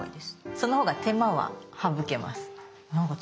そのほうが手間は省けます。